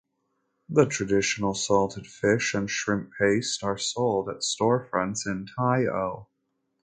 The traditional salted fish and shrimp paste are sold at storefronts in Tai O.